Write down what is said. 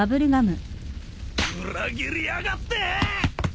裏切りやがってぇ！